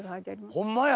ホンマや。